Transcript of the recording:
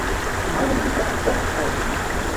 Мыйым Виктыр ок колышт.